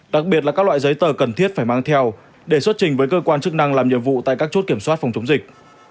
đặc biệt là các loại giấy tờ cần thiết phải mang theo để xuất trình với cơ quan chức năng làm nhiệm vụ tại các chốt kiểm soát phòng chống dịch